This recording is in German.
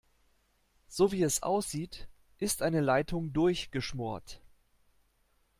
So wie es aussieht, ist eine Leitung durchgeschmort.